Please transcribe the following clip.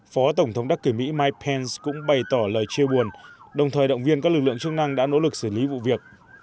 phó tổng thống đắc cử mỹ mike pence cũng bày tỏ lời chia buồn đồng thời động viên các lực lượng chức năng đã nỗ lực xử lý vụ việc